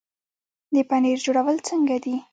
د پنیر جوړول څنګه دي؟